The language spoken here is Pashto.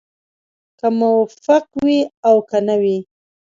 که موفق وي او که نه وي.